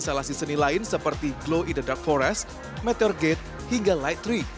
sejumlah instalasi seni lain seperti glow in the dark forest meteor gate hingga light tree